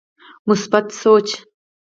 مثبت سوچ